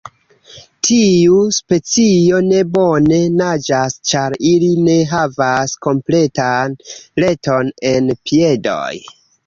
Tiu specio ne bone naĝas ĉar ili ne havas kompletan reton en piedoj.